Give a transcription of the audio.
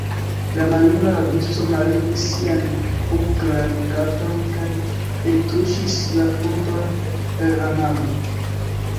La maljuna rabisto mallevis sian buklan kapon kaj ektuŝis la frunton per la mano.